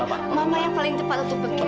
andre mama yang paling tepat untuk pergi